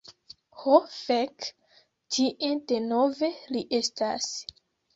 Ho fek. Tie denove li estas.